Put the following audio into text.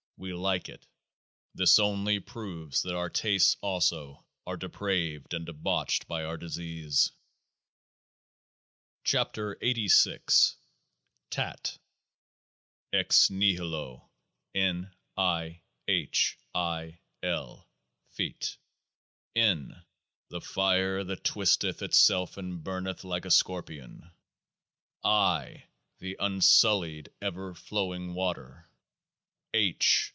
We like it ; this only proves that our tastes also are depraved and debauched by our disease. 103 KEOAAH TIF TAT Ex nihilo N. I. H. I. L. fit. N. the Fire that twisteth itself and burneth like a scorpion. I. the unsullied ever flowing water. H.